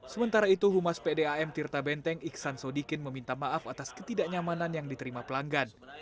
sementara itu humas pdam tirta benteng iksan sodikin meminta maaf atas ketidaknyamanan yang diterima pelanggan